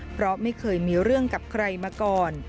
เพราะไม่เคยมีเรื่องกับใครมาก่อน